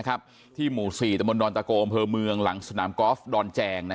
ที่หมู่๔ตะบนดอนตะโกอำเภอเมืองหลังสนามกอล์ฟดอนแจง